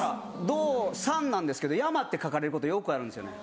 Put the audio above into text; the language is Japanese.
「道三」なんですけど「山」って書かれることよくあるんですよね。